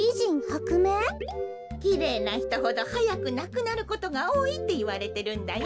きれいなひとほどはやくなくなることがおおいっていわれてるんだよ。